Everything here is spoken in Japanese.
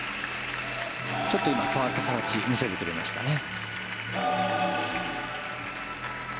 ちょっと今、変わった形を見せてくれましたね。